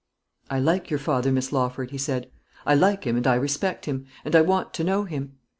"I like your father, Miss Lawford," he said; "I like him, and I respect him; and I want to know him.